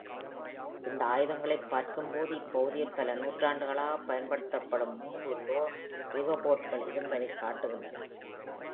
இந்த ஆயுதங்களைப் பார்க்கும்போது, இப்பகுதியில் பல நூற்றாண்டுகளாக பயன்படுத்தப்படும் மூன்று low riverboatகள் இருந்ததைக் காட்டுகின்றன.